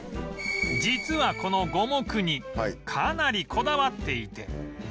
実はこの五目煮かなりこだわっていて